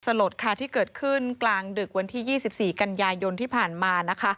สลดค่ะที่เกิดขึ้นกลางดึกวันที่๒๔กันยายนที่ผ่านมานะคะ